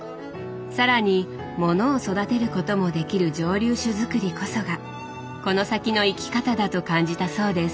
更にものを育てることもできる蒸留酒づくりこそがこの先の生き方だと感じたそうです。